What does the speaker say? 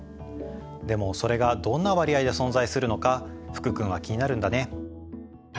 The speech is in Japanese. でもそれがどんな割合で存在するのか福君は気になるんだね？